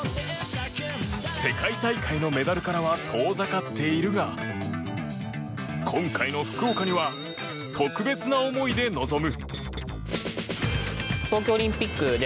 世界大会のメダルからは遠ざかっているが今回の福岡には特別な思いで臨む。